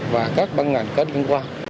và các băng ngành có liên quan